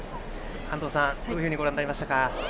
安藤さん、どういうふうにご覧になりましたか。